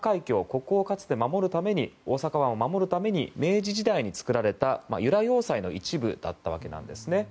ここをかつて守るために大阪湾を守るために明治時代に造られた由良要塞の一部だったわけですね。